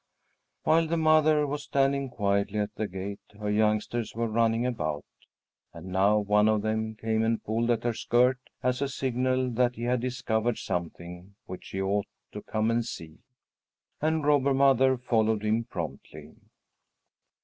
While the mother was standing quietly at the gate, her youngsters were running about. And now one of them came and pulled at her skirt, as a signal that he had discovered something which she ought to come and see, and Robber Mother followed him promptly.